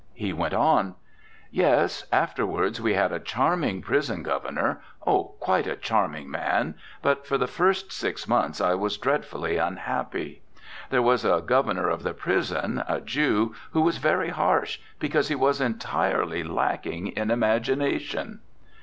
He went on: 'Yes, afterwards we had a charming prison Governor, oh, quite a charming man, but for the first six months I was dreadfully unhappy. There was a Governor of the prison, a Jew, who was very harsh, because he was entirely lacking in imagination.'